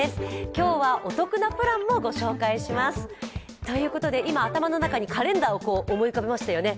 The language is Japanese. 今日は、お得なプランもご紹介します。ということで、今、頭の中にカレンダーを思い浮かべましたよね。